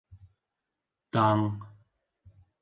Таң